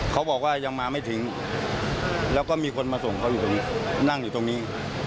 เขาบอกว่ายังมาไม่ถึงแล้วก็มีคนมาส่งเขาอยู่ตรงนี้นั่งอยู่ตรงนี้